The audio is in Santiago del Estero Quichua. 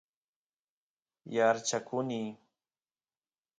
yaarchakuny